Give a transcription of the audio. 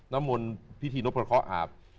น้ำมนพิธีนพลครอบ